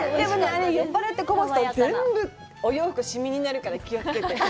酔っ払ってこぼすと、全部、お洋服、しみになるから気をつけて。